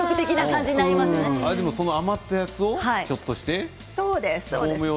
でも、その余ったやつをひょっとして？